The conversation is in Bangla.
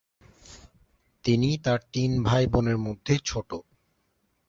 তিনি তার তিন ভাইবোনের মধ্যে ছোট।